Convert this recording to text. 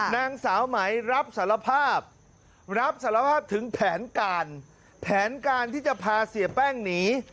นางสาวไหมรับสารภาพรับสารภาพถึงแผนการแผนการที่จะพาเสียแป้งหนี